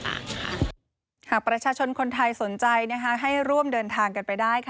เพราะว่าประชาชนคนไทยสนใจให้ร่วมเดินทางกันไปได้